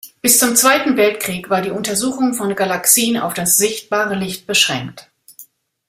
Bis zum Zweiten Weltkrieg war die Untersuchung von Galaxien auf das sichtbare Licht beschränkt.